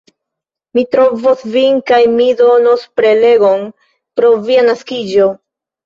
Mi trovos vin kaj mi donos prelegon pri via naskiĝo.